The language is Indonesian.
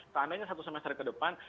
tak andainya satu semester ke depan